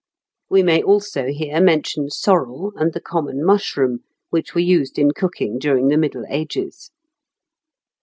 We may also here mention sorrel and the common mushroom, which were used in cooking during the Middle Ages.